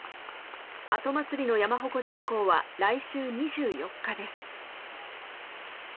後祭の山鉾巡行は来週２４日です。